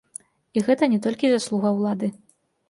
І гэта не толькі заслуга ўлады.